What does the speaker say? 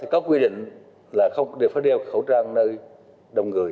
có quy định là không đều phải đeo khẩu trang nơi đông người